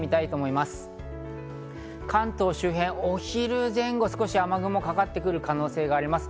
関東周辺、お昼前後、少し雨雲がかかってくる可能性があります。